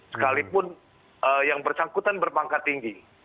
sekalipun yang bersangkutan berpangkat tinggi